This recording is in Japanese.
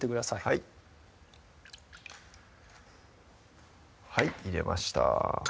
はいはい入れました